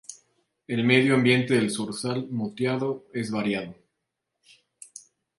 El medio ambiente del zorzal moteado es variado.